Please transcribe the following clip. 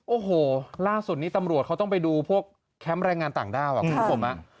โอ้โหล่าสุดนี้ตำรวจเขาต้องไปดูพวกแคมป์แรงงานต่างด้าวคุณผู้ชม